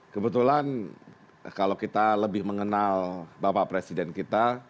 kebetulan kalau kita lebih mengenal bapak presiden kita